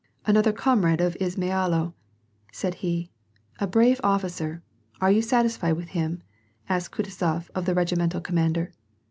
" Another comrade of Izmailo !" said he. " A brave officer ! Are you satisfied with him? " asked Kutuzof of the regimental commander.